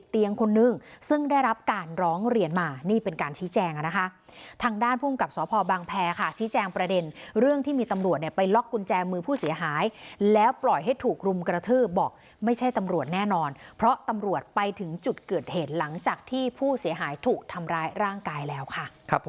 ที่แจ้งประเด็นเรื่องที่มีตำรวจไปล๊อคกุญแจมือผู้เสียหายแล้วปล่อยให้ถูกรุมกระทื้อบอกไม่ใช่ตำรวจแน่นอนเพราะตำรวจไปถึงจุดเกิดเหตุหลังจากที่ผู้เสียหายถูกทำร้ายร่างกายแล้วค่ะ